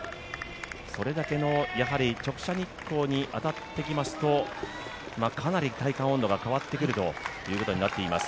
それだけの直射日光に当たってきますとかなり体感温度が変わってくるということになっています。